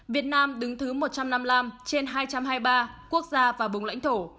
việt nam đứng thứ một trăm năm mươi năm trên hai trăm hai mươi ba quốc gia và vùng lãnh thổ